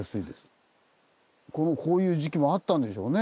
このこういう時期もあったんでしょうね。